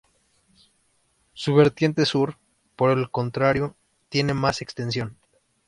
Su vertiente sur, por el contrario, tiene más extensión.